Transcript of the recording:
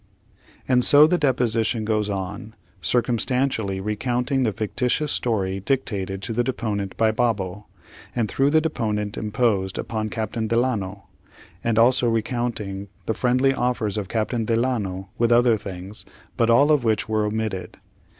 [_And so the deposition goes on, circumstantially recounting the fictitious story dictated to the deponent by Babo, and through the deponent imposed upon Captain Delano; and also recounting the friendly offers of Captain Delano, with other things, but all of which is here omitted.